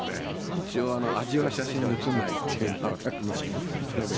一応味は写真に写らないっていうのが私のあれで。